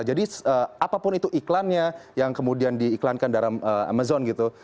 jadi apapun itu iklannya yang kemudian diiklankan dalam amazon gitu